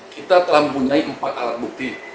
kita telah mempunyai empat alat bukti